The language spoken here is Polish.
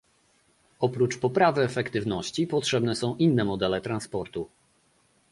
Oprócz poprawy efektywności potrzebne są inne modele transportu